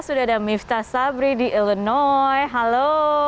sudah ada miftah sabri di illnoy halo